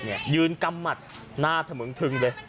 เนี่ยยืนกำหมาดหน้าทำึงถึงเลย